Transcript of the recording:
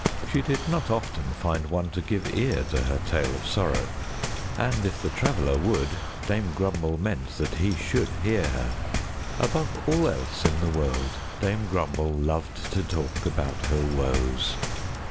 She did not often find one to give ear to her tale of sorrow, and if the Traveler would, Dame Grumble meant that he should hear her. Above all else in the world, Dame Grumble loved to talk about her woes.